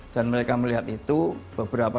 dan mereka melihat itu beberapa